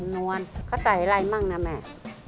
นวลเขาใส่อะไรมั่งนะแม่